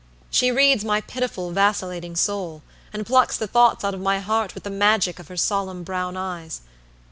She reads my pitiful, vacillating soul, and plucks the thoughts out of my heart with the magic of her solemn brown eyes.